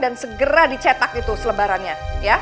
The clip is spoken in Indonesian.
dan segera dicetak itu selebarannya